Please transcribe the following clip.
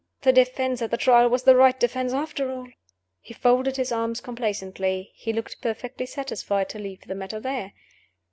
The defense at the Trial was the right defense after all." He folded his arms complacently; he looked perfectly satisfied to leave the matter there.